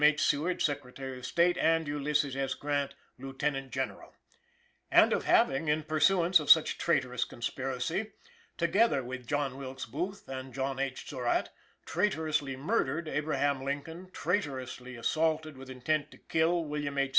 H. Seward, Secretary of State, and Ulysses S. Grant, Lieutenant General;" and of having, in pursuance of such "traitorous conspiracy," "together with John Wilkes Booth and John H. Surratt" "traitorously" murdered Abraham Lincoln, "traitorously" assaulted with intent to kill, William H.